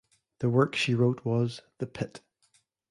The work she wrote was "The Pit".